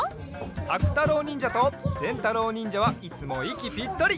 さくたろうにんじゃとぜんたろうにんじゃはいつもいきぴったり！